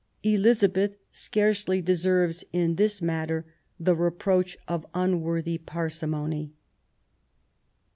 Elizabeth scarcely deserves in this matter the reproach of unworthy parsimony.